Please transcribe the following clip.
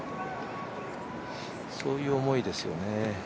そういう思いですよね。